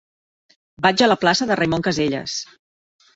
Vaig a la plaça de Raimon Casellas.